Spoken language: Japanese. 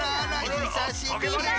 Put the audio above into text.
ひさしぶりママ。